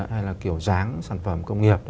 hay là kiểu dáng sản phẩm công nghiệp